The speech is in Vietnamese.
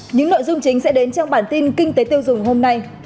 những nội dung chính sẽ đến trong bản tin kinh tế tiêu dùng hôm nay